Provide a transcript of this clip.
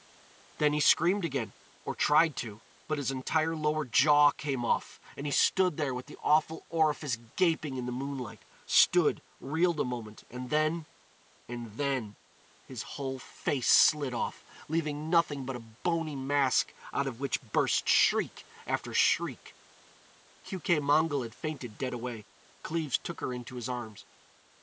Then he screamed again—or tried to—but his entire lower jaw came off and he stood there with the awful orifice gaping in the moonlight—stood, reeled a moment—and then—and then—his whole face slid off, leaving nothing but a bony mask out of which burst shriek after shriek—— Keuke Mongol had fainted dead away. Cleves took her into his arms.